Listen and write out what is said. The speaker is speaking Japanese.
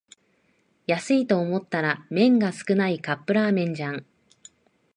安いと思ったら麺が少ないカップラーメンじゃん